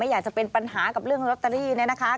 อยากจะเป็นปัญหากับเรื่องลอตเตอรี่เนี่ยนะคะ